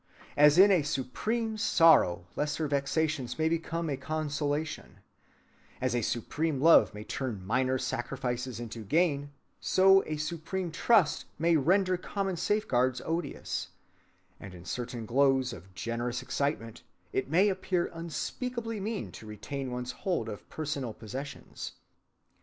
As in a supreme sorrow lesser vexations may become a consolation; as a supreme love may turn minor sacrifices into gain; so a supreme trust may render common safeguards odious, and in certain glows of generous excitement it may appear unspeakably mean to retain one's hold of personal possessions.